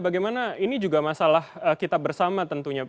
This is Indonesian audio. bagaimana ini juga masalah kita bersama tentunya